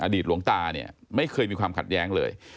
หลวงตาเนี่ยไม่เคยมีความขัดแย้งเลย